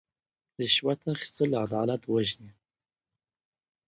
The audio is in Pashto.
رشوت اخیستل عدالت وژني.